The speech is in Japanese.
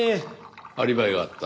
アリバイがあった？